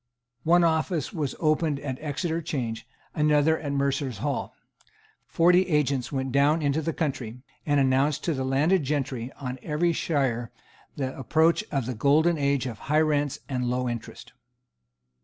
One office was opened at Exeter Change, another at Mercers' Hall. Forty agents went down into the country, and announced to the landed gentry of every shire the approach of the golden age of high rents and low interest.